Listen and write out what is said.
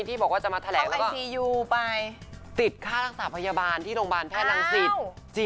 ติดภายลักษณะคุณรักษาพยาบาลที่โรงพิทธิ์แพทย์ตาลังศิฑ